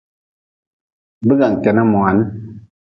Bigan kenah moan.